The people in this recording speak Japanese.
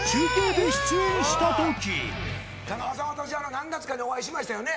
何月かにお会いしましたよね？